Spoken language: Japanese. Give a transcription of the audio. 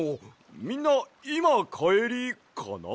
みんないまかえりかな？